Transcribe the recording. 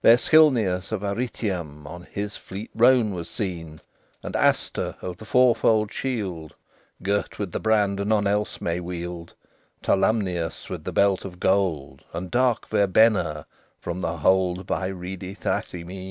There Cilnius of Arretium On his fleet roan was seen; And Astur of the four fold shield, Girt with the brand none else may wield, Tolumnius with the belt of gold, And dark Verbenna from the hold By reedy Thrasymene.